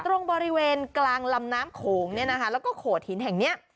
ตรงบริเวณกลางลำน้ำโขงเนี่ยนะคะแล้วก็โขดหินแห่งเนี้ย